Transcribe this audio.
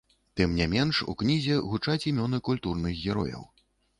Тым не менш, у кнізе гучаць імёны культурных герояў.